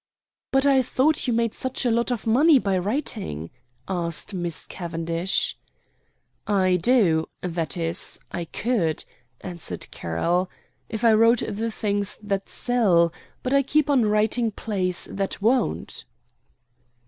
"But I thought you made such a lot of money by writing?" asked Miss Cavendish. "I do that is, I could," answered Carroll, "if I wrote the things that sell; but I keep on writing plays that won't."